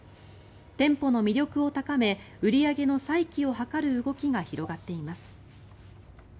店舗の魅力を高め売り上げの再起を図る動きが広がっています。